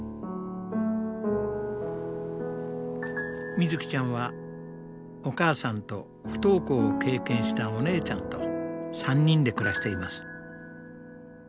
みずきちゃんはお母さんと不登校を経験したお姉ちゃんと３人で暮らしています。